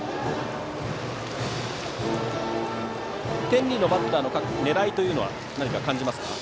天理のバッターの狙いというのは何か感じますか？